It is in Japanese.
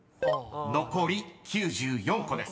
［残り９４個です］